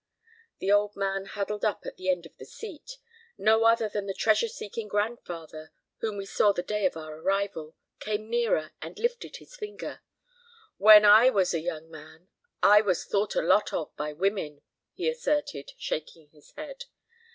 The old man huddled up at the end of the seat no other than the treasure seeking grandfather whom we saw the day of our arrival came nearer and lifted his finger. "When I was a young man, I was thought a lot of by women," he asserted, shaking his head.